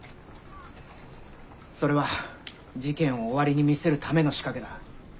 それは事件を終わりに見せるための仕掛けだ。